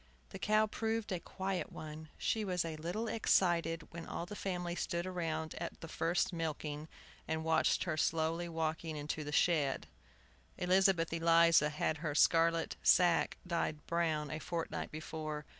The cow proved a quiet one. She was a little excited when all the family stood round at the first milking, and watched her slowly walking into the shed. Elizabeth Eliza had her scarlet sack dyed brown a fortnight before.